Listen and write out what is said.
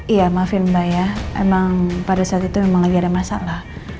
iya maafin mbak ya emang pada saat itu memang lagi ada masalah